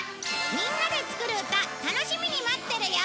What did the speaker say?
みんなで作る歌楽しみに待ってるよ！